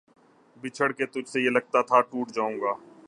بچھڑ کے تجھ سے یہ لگتا تھا ٹوٹ جاؤں گا